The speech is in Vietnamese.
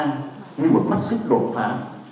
như một mắc xích đột phán